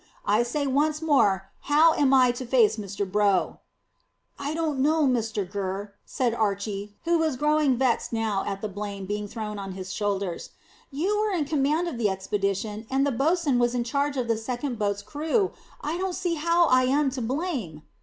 I say once more, how am I to face Mr Brough?" "I don't know, Mr Gurr," said Archy, who was growing vexed now at the blame being thrown on his shoulders. "You were in command of the expedition, and the bosun was in charge of the second boat's crew. I don't see how I am to blame."